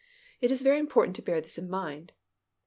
It is very important to bear this in mind.